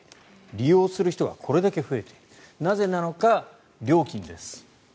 利用する人がこれだけ増えているなぜなのか、料金です。